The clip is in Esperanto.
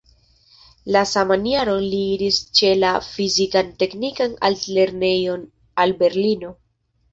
La saman jaron li iris ĉe la Fizikan-teknikan altlernejon al Berlino.